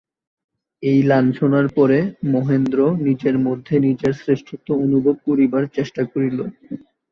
এই লাঞ্ছনার পরে মহেন্দ্র নিজের মধ্যে নিজের শ্রেষ্ঠত্ব অনুভব করিবার চেষ্টা করিল।